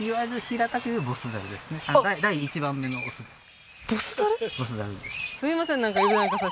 第１番目のオスボス猿？